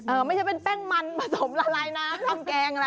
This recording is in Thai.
ไม่ใช่เป็นแป้งมันผสมละลายน้ำทำแกงอะไร